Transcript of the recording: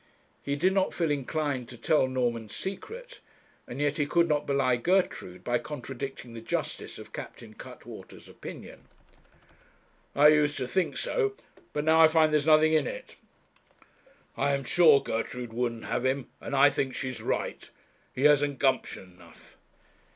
He did not feel inclined to tell Norman's secret, and yet he could not belie Gertrude by contradicting the justice of Captain Cuttwater's opinion. 'I used to think so but now I find there's nothing in it. I am sure Gertrude wouldn't have him, and I think she's right. He hasn't gumption enough.'